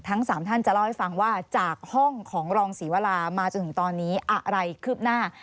ทั้ง๓ท่านจะเล่าให้ฟังว่าจากห้องของรองศรีวรามาจนถึงตอนนี้อะไรคืบหน้า